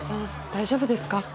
大丈夫ですか？